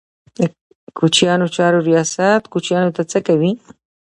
د کوچیانو چارو ریاست کوچیانو ته څه کوي؟